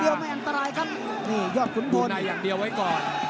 นี่ยอดขุนพลดูในอย่างเดียวไว้ก่อน